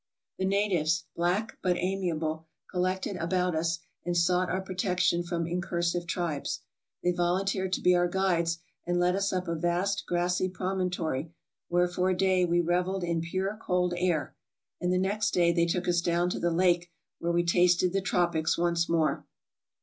The natives, black but amiable, collected about us, and sought our protection from incursive tribes. They volunteered to be our guides, and led us up a vast grassy promontory, where for a day we reveled in pure, cold air, and the next day they took us down to the lake where we tasted the tropics once more.